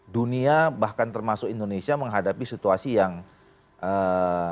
dunia bahkan termasuk indonesia menghadapi situasi yang ee